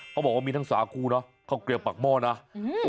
เขาบอกว่ามีทั้งสาคูเนอะข้าวเกลียบปากหม้อนะอืม